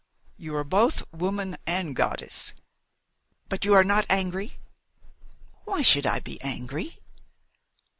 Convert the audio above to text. "You are both woman and goddess! But you are not angry?" "Why should I be angry?"